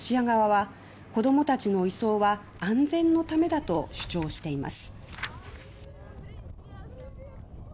一方ロシア側は子供たちの移送は安全のためだと主張しています。